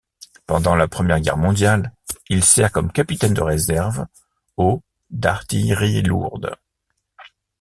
Pendant la Première Guerre mondiale, il sert comme capitaine de réserve au d'artillerie lourde.